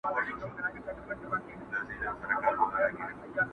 که سپی غاپي خو زه هم سم هرېدلای؛